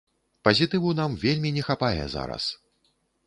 Пазітыву нам вельмі не хапае зараз!